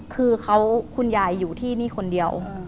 คือคุณยายอยู่ที่นี่คนเดียว